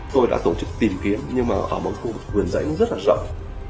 tôi đã tổ chức tìm kiếm nhưng mà ở một khu vườn giấy rất là rộng